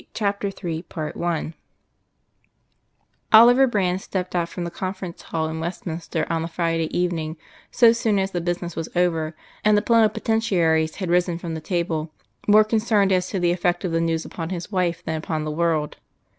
CHAPTER III I Oliver Brand stepped out from the Conference Hall in Westminster on the Friday evening, so soon as the business was over and the Plenipotentiaries had risen from the table, more concerned as to the effect of the news upon his wife than upon the world.